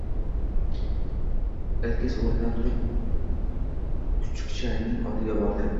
Ilkis o`rnidan turib, kuchukchaning oldiga bordi